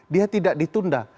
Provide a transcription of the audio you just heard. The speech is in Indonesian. dia tidak ditunda